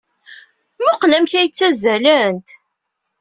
Mmuqqel amek ay ttazzalent!